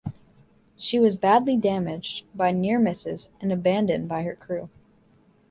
She was badly damaged by near misses and abandoned by her crew.